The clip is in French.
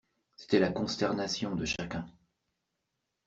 C'était la consternation de chacun.